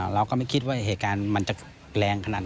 เราก็ไม่คิดว่าเหตุการณ์มันจะแรงขนาดนั้น